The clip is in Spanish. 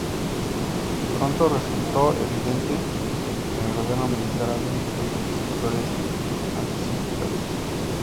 Pronto resultó evidente que en el gobierno militar había influyentes sectores anti-sindicales.